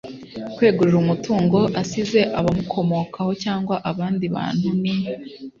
kwegurira umutungo asize abamukomokaho cyangwa abandi bantu ni